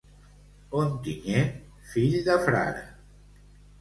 Ontinyent, fill de frare.